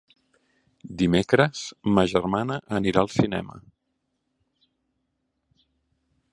Dimecres ma germana anirà al cinema.